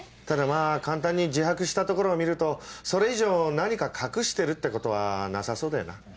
ただまぁ簡単に自白したところを見るとそれ以上何か隠してるってことはなさそうだよな。